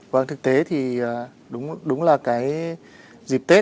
vâng thực tế thì đúng là cái dịp tết